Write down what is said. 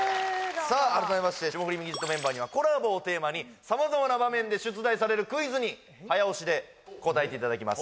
改めまして霜降りミキＸＩＴメンバーにはコラボをテーマに様々な場面で出題されるクイズに早押しで答えていただきます